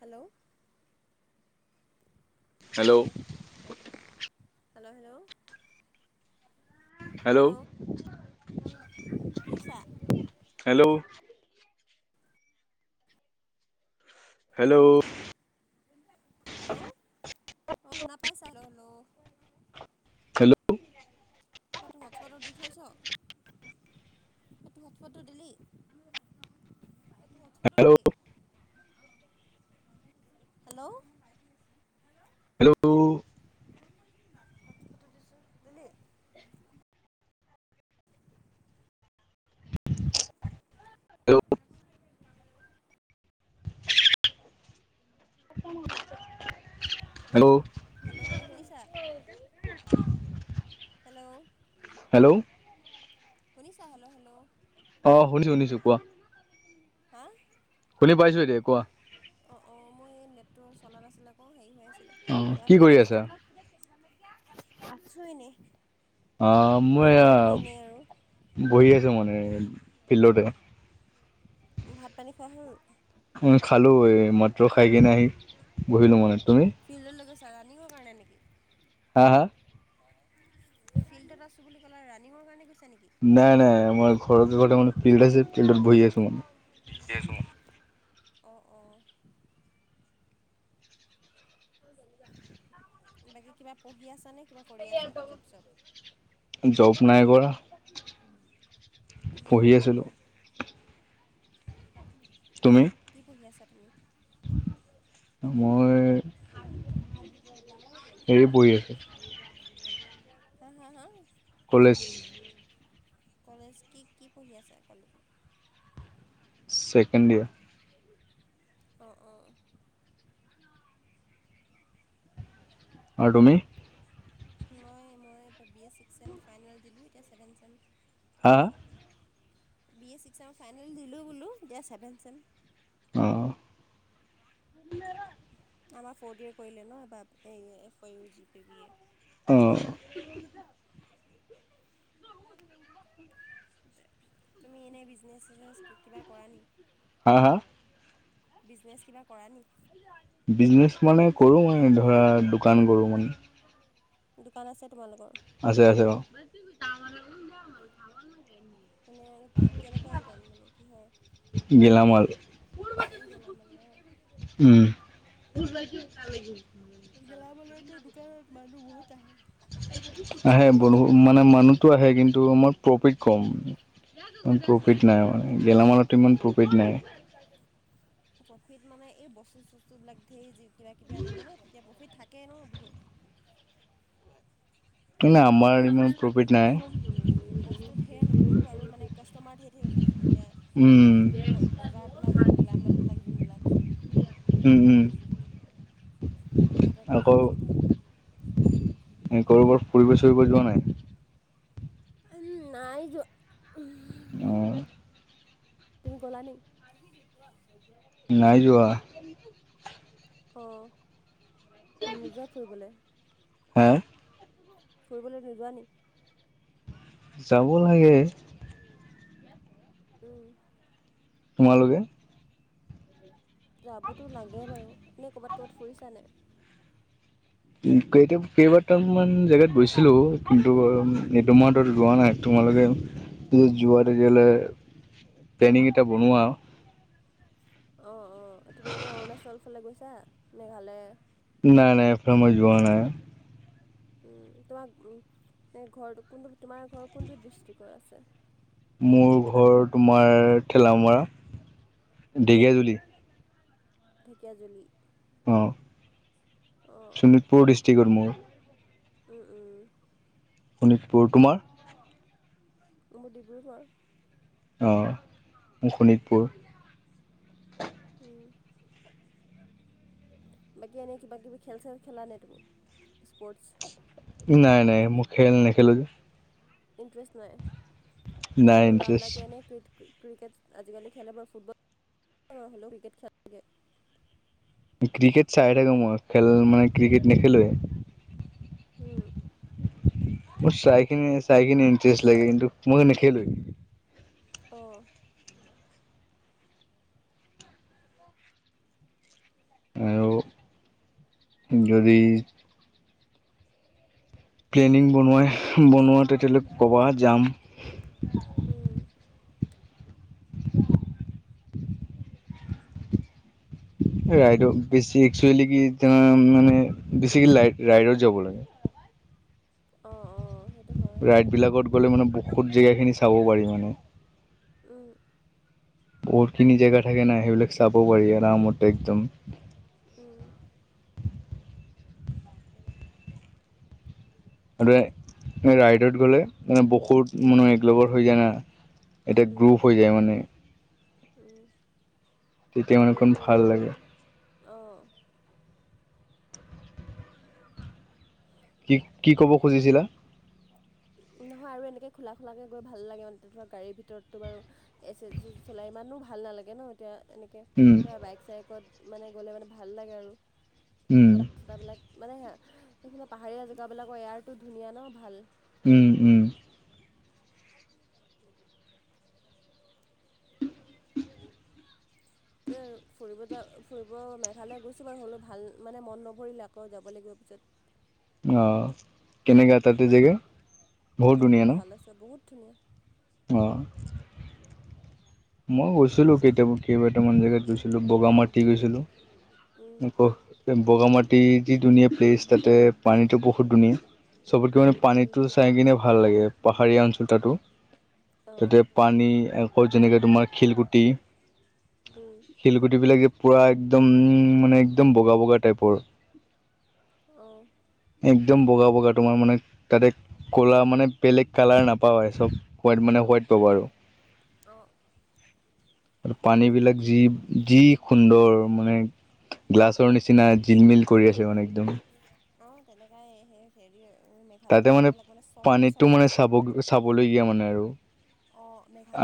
Hello. Hello hello hello. Hello. শুনিছা? Hello. Hello. Hello, অ' শুনা পাইছা, হেল্ল' হেল্ল'। হেল্ল'। তটো হটস্পটত দি থৈছ। এইটো হটস্পটতটো দিলি, এইটো হটস্পটতটো হেল্ল' দিলি। হেল্ল'। হেল্ল'। হটস্পটতটো দিছো, দিলি? হেল্ল' হেল্ল', হেল্ল' হেল্ল', শুনিছা, হেল্ল'। হেল্ল'। শুনিছা, হেল্ল' হেল্ল'। অ' শুনিছো শুনিছো, কোৱা। হা? শুনি পাইছোঁ দিয়া, কোৱা। অ' অ' মই, এই নেটটো চলা নাছিলে আকৌ, হেৰি হৈ আছিলে, অ কোৱা কি কৰি কৰিছা? আছা আছোঁ এনেই, অ ভাত মই খাই মেলি এনেই আৰু। বহি আছো মানে এনে, ফিল্ডতে। ভাত-পানী খোৱা হ'ল? উম খালো, এই মাত্ৰ খাই কিনে আহি বহিলো মানে, তুমি? ফিল্ডলৈ গৈছা, ৰানিঙৰ কাৰণে নেকি? হা হা? ফিল্ডত আছো বুলি ক'লা, ৰানিঙৰ কাৰণে গৈছা নেকি? নাই নাই, মই ঘৰতে মানে ফিল্ডত আছে, ফিল্ডত বহি আছোঁ মই। [unintelligible] অ' অ'। বাকী কিবা পঢ়ি আছা নে, কিবা কৰি আছা জব চব। জব নাই কৰা। পঢ়ি আছো। তুমি? কি পঢ়ি আছা তুমি? মই হেৰি পঢ়ি আছোঁ হা হা হা? কলেজ। কলেজ কি কি পঢ়ি আছা কলেজ? Second year. অ', অ', অ'। আৰু তুমি? মই মই B A six sem final দিলোঁ এতিয়া ছেভেন চেম। হা? বি এ ছিক্স চেমৰ ফাইনেল দিলো বুলো এইয়া ছেভেন চেম। অহ। আমাৰ ফৰ্দ ইয়াৰ কৰিলে ন বা এই এফ ই জি পি বিয়ে। অ'। তুমি এনেই বিজনেছ চিজনেছ কিবা কৰা নেকি? হা হা? বিজনেছ কিবা কৰা নেকি? বিজনেচ মানে কৰো মই ধৰা দোকান কৰোঁ মানে। দোকান আছে তোমালোকৰ। আছে আছে অ'। এনে আৰু কি কেনেকুৱা দোকান মানে কিহৰ? গেলামাল গেলামালৰ? উম গেলামালৰতো দোকানত মানুহ বহুত আহে। আহে বু মানে মানুহটো আহে কিন্তু মোৰ প্ৰফিট কম। ইমান হুম প্ৰফিট নাই মানে গেলামালটোত উম ইমান প্ৰফিট নাই। প্ৰফিট মানে এই বস্তু চস্তু বিলাক ধেৰ কিবা কিবি আনিব ন তেতিয়া প্ৰফিট থাক কে ন বহুত। মানে আমাৰ ইমান বস্তু প্ৰফিট নাই। বস্তু ধেৰ আনিব লাগিব আৰু মানে কাষ্টমাৰ ধেৰ থাকিব লাগিব এতিয়া উম এনেকে ব বজাৰবিলাকৰ গলামালবিলাক যোনবিলাক। উম উম, তাহাঁতৰ তাত আকৌ প্ৰফিট হয় এ কৰবাৰ ফুৰিব চুৰিব যোৱা নাই? উম নাই যোৱা। অ'। তুমি গ'লা নি? নাই যোৱা। অ' নোযোৱা ফুৰিবলৈ? হা? ফুৰিবলৈ নোযোৱা নি? যাব লাগে। উম। তোমালোকে? যাবতো লাগে বাৰু, এনেই ক'ৰবাত ক'ৰবাত ফুৰিছানে? উম কেইটাপ কেইবটাম মান জেগাত গৈছিলো কিন্তু [unintelligible] এইটো মন্থত যোৱা নাই। তোমালোকে যদি যোৱা তেতিয়াহ'লে প্লেনিং এটা বনোৱা। অ', অ', তুমি এনেই অৰুণাচল ফালে গৈছা মেঘালয়? নাই নাই এফালে মই যোৱা নাই। উম তোমাৰ উম্ ঘৰটো কোনটো তোমাৰ ঘৰ কোনটো ডিষ্ট্ৰিকৰ আছে? মোৰ ঘৰ তোমাৰ ঠেলামৰা ঢেকীয়াজুলি। ঢেকীয়াজুলি? অঁ অ', শোণিতপুৰ ডিষ্ট্ৰিকত মোৰ। উম উম। শোণিতপুৰ, তোমাৰ? মোৰ ডিব্ৰুগড়। অঁ মোৰ শোণিতপুৰ। উম। বাকী এনেই কিবা কিবি খেল চেল খেলা নে তুমি স্পৰ্টছ? নাই নাই মই খেল নেখেলোঁ যে। ইণ্টৰেষ্ট নাই? এন নাই ত ইণ্টাৰেষ্ট ল'ৰাবিলাকে এনেই ক্ৰিট ক্ৰিকেট আজিকালি খেলে বাৰ ফুটবল [inaudible] হ'লেও ক্ৰিকেট খেল। ক্ৰিকেট চাই থাকো মই, খেল মানে ক্ৰিকেট নেখেলোৱে। হম। মোৰ চাইখিনি চাইগিনি ইণ্টাৰেষ্ট লাগে কিন্তু মই নেখেলোঁৱে। অঁ। আৰু যদি প্লেনিং বনোৱাই বনোৱা তেতিয়ালৈ ক'বাত যাম। উম। [inaudible] ৰাইড বেছি একচুৱেলি কি তা মানে বেছিকেলী ৰাইডত যাব লাগে। অ অ সেই ৰাইড বিলাকত গ'লে মানে বহুত জেগাখিনি চাব পাৰি মানে। উম। বহুত খিনি জেগা থাকে না, সেইবিলাক চাব পাৰি আৰামত একদম। উম। আৰু এ ৰাইডত গ'লে মান বহুত উম, মানুহ এক লগৰ হৈ যায় না। এতিয়া উম, গ্ৰুপ হৈ যায় মানে। উম তেতিয়া মানে অকণ আৰুতো ভাল লাগে অঁ। কি কি ক'ব খুজিছিলা? নহয় আৰু এনেকে খোলা খোলাকে গৈ ভাল লাগে মানে ধৰা গাড়ীৰ ভিতৰতো বাৰু এছ এছ জি চলাই ইমানো ভাল নালাগে ন এতিয়া এনেক তাকে ধৰা বাইক চাইকত মানে গ'লে মানে ভাল লাগে আৰু [unintelligible] মানে সেইফালে পাহাৰীয়া জেগাবিলাকৰ এয়াৰটো ধুনীয়া ন ভাল। উম উম। ত আৰু ফুৰিব যা ফুৰিব মেঘালয় গৈছোঁ বাৰু হ'লেও ভাল মানে মন নভৰিলে আকৌ যাব লাগিব পিছত। [inaudible] অঁ কেনেকা তাতে জেগা, বহুত ধুনীয়া ন? ত বহুত ধুনীয়া। অ। মই গৈছিলো কেতিয়াবা কেইবাটামান জেগাত গৈ বগা মাটি গৈছিলোঁ উম আক বগামাটি যি ধুনীয়া প্লেচ তাতে পানীটো বহুত ধুনীয়া চবতকৈ মানে উম পানীটো চাই কিনে ভাল লাগে পাহাৰীয়া অঞ্চল তাতো অঁ তাতে পানী আকৌ যেনেকে তোমাৰ খিলকুটি, উম, শিলগুটিবিলাকে পূৰা একদম মানে একদম বগা বগা টাইপৰ। অঁ, একদম বগা বগা তোমাৰ মানে তাতে ক'লা মানে বেলেগ কালাৰ নাপাবাই চব হোৱাইট মানে হোৱাইট পাবা আৰু। অ, আৰু পানী বিলাক যি যি সুন্দৰ মানে গ্লাছৰ নিচিনা জিলমিল কৰি আছে মানে একদম। অ তেনেকাই সেই হেৰি মেঘালয়ৰ পানীবিলাক মানে চবেই পানীটো চাফা মানে আছে। চাব চাবলগীয়া মানে আৰু। অ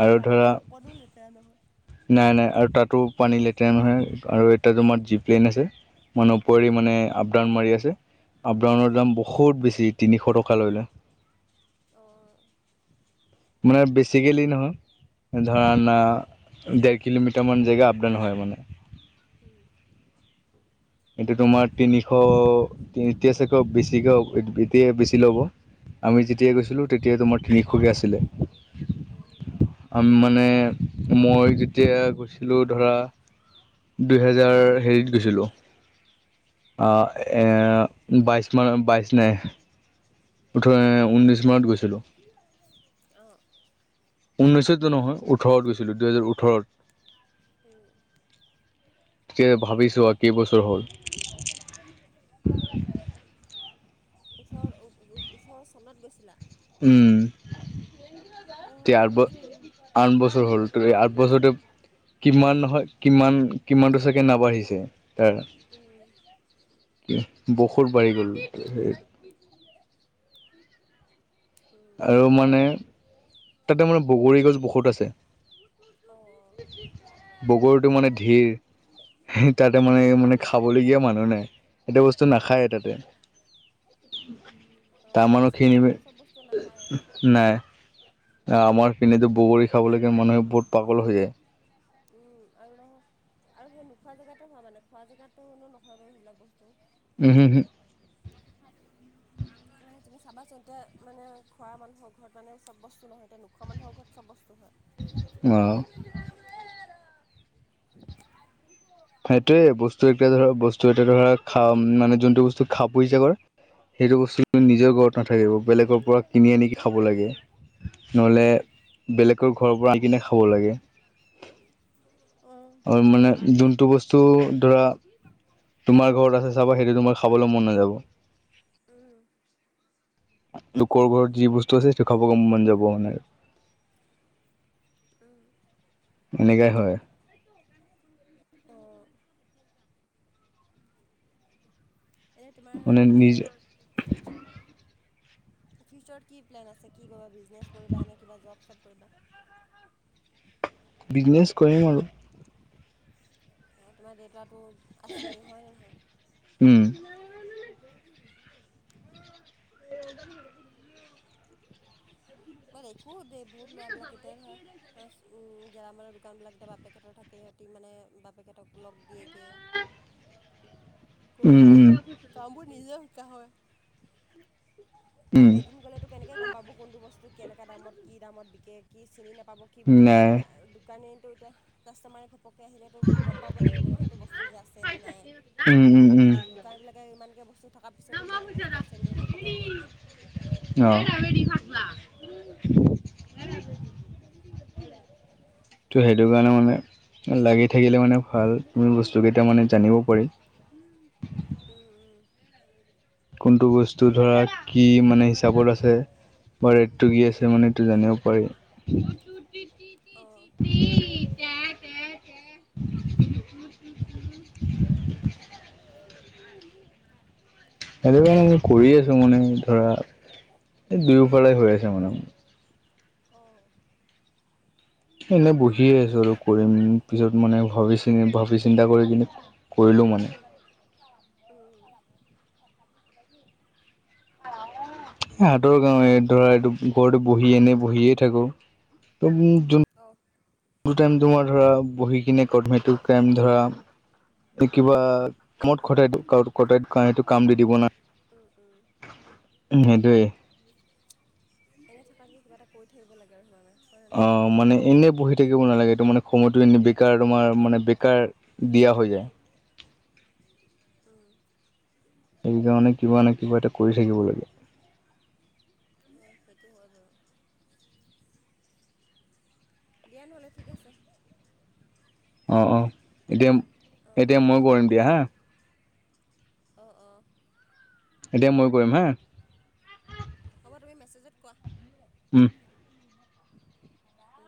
আৰু পানী ধৰা মানে অকণো লেতেৰা নহয়। নাই নাই আৰু তাতো পানী লেতেৰা নহয় আৰু এতিয়া তোমাৰ জিপ লাইন আছে, মানুহ পৰি মানে আপ ডাউন মাৰি আছে। আপডাউনৰ দাম বহুত বেছি তিনিশ টকা লৈ লয়। অঁ, মানে বেছিকেলি নহয়। ধৰা না ডেৰ কিলোমিটাৰ মান জেগা আপ ডাউন হয় মানে। উম, এতিয়া তোমাৰ তিনিশ [unintelligible] চকে বেছিক এতিয়া বেছি লব। আমি যেতিয়াই গৈছিলোঁ তেতিয়াই তোমাৰ তিনিশকে আছিলে। আম মানে মই যেতিয়া গৈছিলো ধৰা দুহেজাৰ হেৰিত গৈছিলোঁ অ এ বাইশমান বাইশ নাই ওঠৰ, উনিশ মানত গৈছিলোঁ। অ, ঊনৈছতো নহয় ওঠৰত গৈছিলোঁ দুহেজাৰ ওঠৰত। উম, তাকে ভাবিচোৱা কেইবছৰ হ'ল। ওঠৰ, ওঠৰ চনত গৈছিলা? উম, অ', এতিয়া আঠ ব বছৰ অ'। আঠ বছৰ হ'ল আঠ বছৰতে উম, কিমান নহয় কিমান কিমানটো চাগে নাবাঢ়িছে তাৰ উম, বহুত বাঢ়ি গ'ল। আৰু মানে তাতে মানে বগৰী গছ বহুত আছে। অ', বগৰটো মানে ধেইৰ। তাতে মানে, মানে খাবলগীয়া মানুহ নাই সেইটো বস্তু উম। নাখায় তাতে। অ তাৰ চবেই চব মানুহখিনি জেগাত চব বস্তু নাখায়ে। নাই আমাৰ পিনেতো বগৰী খাবলৈকে মানুহে বহুত পাগল হৈ যায়। উম, আৰু নহয় আৰু সেই নোখোৱা জেগাতে হয় মানে খোৱা জেগাতটো নহয় বাৰু সেইবিলাক বস্তু। উম, হুম, হুম, মানে তুমি চাবাচোন এতিয়া মানে খোৱা মানুহৰ ঘৰত মানে চব বস্তু নহয়, এতিয়া নোখোৱা মানুহৰ ঘৰত চব বস্তু হয়। আহ, সেইটোয়ে বস্তু এতিয়া ধৰা বস্তু এটা ধৰা খা মানে যোনটো বস্তু খাব ইচ্ছা কৰে সেইটো বস্তু নিজৰ ঘৰত নাথাকিব বেলেগৰ পৰা কিনি আনিকি খাব লাগে। নহ'লে উম, বেলেগৰ ঘৰৰ পৰা আনি কিনে খাব লাগে। আৰু মানে যোনটো বস্তু ধৰা। তোমাৰ ঘৰত আছে চাবা সেইটো তোমাৰ খাবলৈ মন নাযাব। উম, লোকৰ ঘৰত যি বস্তু আছে সেইটো খাব মন যাব মানে। উম। এনেকাই হয়। অঁ। এনেই তোমাৰ। মানে নিজ ফিউচাৰত কি প্লেন আছে কি কৰিবা বিজনেছ কৰিবা ন কিবা জব? চব কৰিবা। বিজনেছ কৰিম আৰু, অঁ তোমাৰ দেউতাটো আছেই হয় নহয়? উম। [inaudible] মই দেখো দে বুত লোৱাবেলাক কেতিয়াহা। গেৰামালৰ দোকানবিলাক এতিয়া বাপেকে হঁতৰ থাকে সিহঁতি মানে বাপেকতক লগ দিয়েগে। উম কৰি উম দিয়েগে কামবোৰ নিজে শিকা হয়। আৰু উম এদিন গ'লেতো কেনেকৈ গম পাব কোনটো বস্তু কেনেকুৱা দামত কি দামত বিকে কি চিনি নাপাব। কি বস্তু নাই আছে আৰু দোকানীতো এতিয়া কাষ্টমাৰে ঘ পকে আহিলেতো গম পাব লাগিব ন সেইটো বস্তু যে আছে নে নাই উম উম সেইটো। উম দোকানবিলাকে ইমানকৈ বস্তু থকাৰ পিছতো হেতু বস্তু আছে বুলি ঘপকে কৈ দিয়ে। অঁ। স্বা। তো সেইটো কাৰণে মানে লাগি থাকিলে মানে ভাল বস্তুকেইটা মানে জানিব পাৰিম। উম। কোনটো বস্তু ধৰা কি মানে হিচাপত আছে। বা ৰেটটো কি আছে মানে এইটো জানিব পাৰি। অঁ। পি। সেইটো কাৰণে মই কৰি আছোঁ মানে ধৰা এই দুয়োফালে হৈ আছে মানে। অ'। এনেই বহিয়ে আছোঁ আৰু কৰিম পিছত মানে ভাবি চি ভাবি চিন্তা কৰি কিনে। কৰিলোঁ মানে। উম হাতৰ গাওঁৰে ধৰা এইটো ঘৰটো বহি এনে বহিয়ে থাকো ত যোন অঁ। টাইম টো তোমাৰ ধৰা বহি কিনে কমেট টাইম ধৰা। কিবা কামত কটাই কটাই সেইটো কাম দি দিব না। উম উম উম। সেইটোৱে এনে থকাতকৈ কিবা এটা কৰি থাকিব লাগে আৰু সিমানে। হয় নে অঁ, মানে এনেই বহি থাকিব নালাগে তটো মানে সময়টো এনে বেকাৰ তোমাৰ মানে বেকাৰ। দিয়া হৈ যায়। নহয় উম। সেইকাৰণে কিবা নে কিবা এটা কৰি থাকিব লাগে। সেইটোও হয় বাৰু। দিয়া নহ'লে ঠিক আছে। অ' অ' এতিয়া, হেল্ল' অঁ এতিয়া হ'ব মই কৰিম দিয়া হা। অ' অ'। এতিয়া ময়ো কৰিম হা। হ'ব তুমি মেছেজত কোৱা। উম। ও